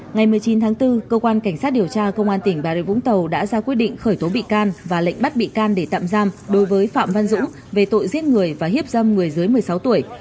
ngày một mươi chín tháng bốn cơ quan cảnh sát điều tra công an tỉnh bà rịa vũng tàu đã ra quyết định khởi tố bị can và lệnh bắt bị can để tạm giam đối với phạm văn dũng về tội giết người và hiếp dâm người dưới một mươi sáu tuổi